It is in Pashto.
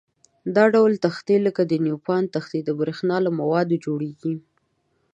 دا ډول تختې لکه د نیوپان تختې د برېښنا له موادو جوړيږي.